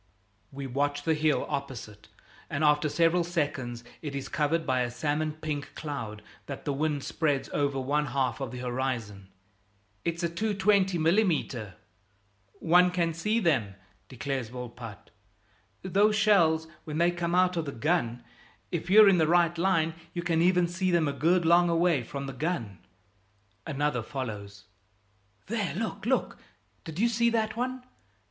We watch the hill opposite, and after several seconds it is covered by a salmon pink cloud that the wind spreads over one half of the horizon. "It's a 220 mm." "One can see them," declares Volpatte, "those shells, when they come out of the gun. If you're in the right line, you can even see them a good long away from the gun." Another follows: "There! Look, look! Did you see that one?